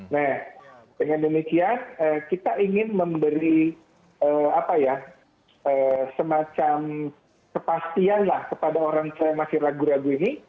nah dengan demikian kita ingin memberi semacam kepastian lah kepada orang tua yang masih ragu ragu ini